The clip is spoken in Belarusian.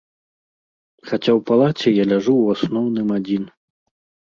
Хаця ў палаце я ляжу ў асноўным адзін.